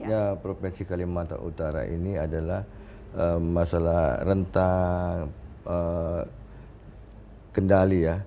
ya provinsi kalimantan utara ini adalah masalah rentang kendali ya